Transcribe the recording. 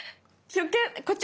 こっち。